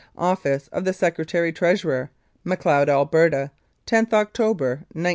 OFFICE OF THE SECRETARY TREASURER. MACLEOD, ALBERTA, "loth October, 1902.